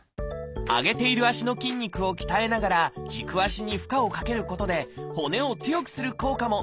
上げている足の筋肉を鍛えながら軸足に負荷をかけることで骨を強くする効果も。